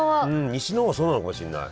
西の方はそうなのかもしれない。